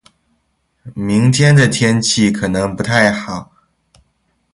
明天的天气可能不太好。